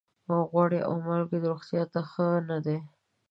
غوړي او مالګه روغتیا ته ښه نه دي.